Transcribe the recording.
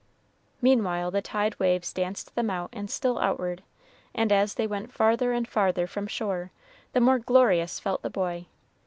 Meanwhile the tide waves danced them out and still outward, and as they went farther and farther from shore, the more glorious felt the boy.